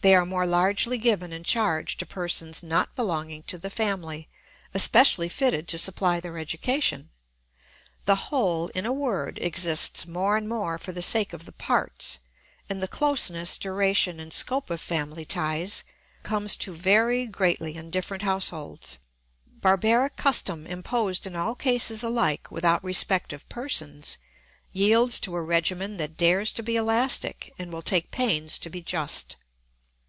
They are more largely given in charge to persons not belonging to the family, especially fitted to supply their education. The whole, in a word, exists more and more for the sake of the parts, and the closeness, duration, and scope of family ties comes to vary greatly in different households. Barbaric custom, imposed in all cases alike without respect of persons, yields to a regimen that dares to be elastic and will take pains to be just.